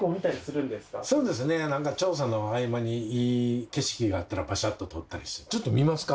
そうですね調査の合間にいい景色があったらパシャッと撮ったりちょっと見ますか？